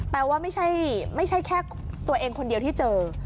แปลว่าไม่ใช่แค่ตัวเองคนเดียวที่เจอ